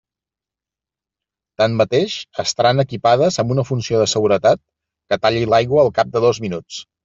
Tanmateix, estaran equipades amb una funció de seguretat que talli l'aigua al cap de dos minuts.